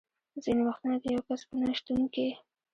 ځینې وختونه د یو کس په نه شتون کې.